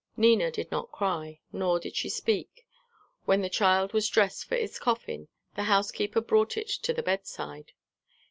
Nina did not cry, nor did she speak. When the child was dressed for its coffin, the housekeeper brought it to the bedside.